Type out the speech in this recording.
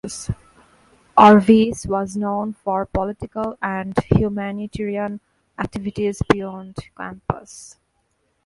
Orvis was known for political and humanitarian activities beyond campus.